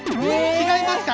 「違いますか！」